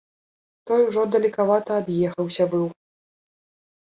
Той ужо далекавата ад'ехаўся быў.